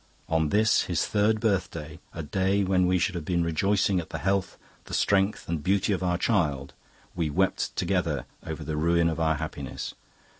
On this, his third birthday, a day when we should have been rejoicing at the health, the strength, and beauty of our child, we wept together over the ruin of our happiness.